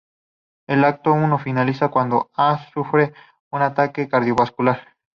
El Acto I finaliza cuando A sufre un ataque cardiovascular.